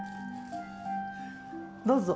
どうぞ。